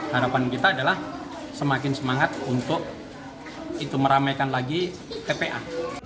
harapan kita adalah semakin semangat untuk itu meramaikan lagi tpa